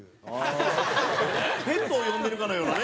山崎：ヘルプを呼んでるかのようなね。